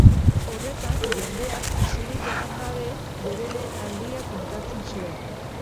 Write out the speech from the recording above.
Horretan, jendeak, izenik eman gabe, bere lehen aldia kontatzen zuen.